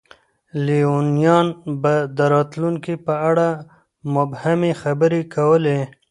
لیونیان به د راتلونکي په اړه مبهمې خبرې کولې.